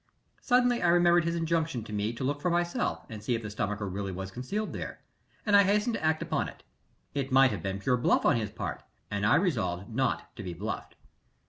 Suddenly I remembered his injunction to me to look for myself and see if the stomacher really was concealed there, and I hastened to act upon it. It might have been pure bluff on his part, and I resolved not to be bluffed.